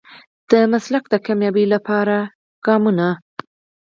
د مسلک د بريا لپاره ګامونه.